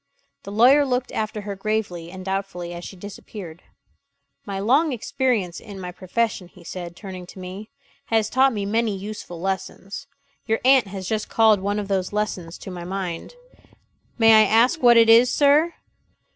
The lawyer looked after her gravely and doubtfully as she disappeared. "My long experience in my profession," he said, turning to me, "has taught me many useful lessons. Your aunt has just called one of those lessons to my mind. "May I ask what it is, sir?"